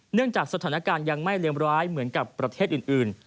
จากสถานการณ์ยังไม่เลวร้ายเหมือนกับประเทศอื่น